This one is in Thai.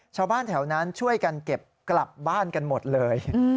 ชาวบ้านแถวนั้นช่วยกันเก็บกลับบ้านกันหมดเลย